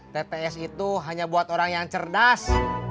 tps itu hanya buat orang yang cerdas